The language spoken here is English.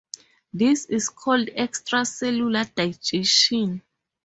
This is called extracellular digestion.